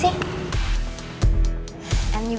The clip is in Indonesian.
tinggalin gue dulu ya